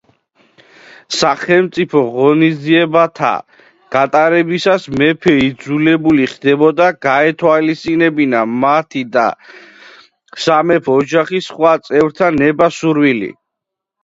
სახელმწიფო ღონისძიებათა გატარებისას მეფე იძულებული ხდებოდა გაეთვალისწინებინა მათი და სამეფო ოჯახის სხვა წევრთა ნება-სურვილი.